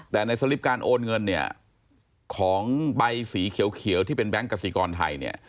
แต่ในสลิปการโอนเงินเนี่ยของใบสีเขียวที่เป็นแก๊งกษิกรไทยเนี่ย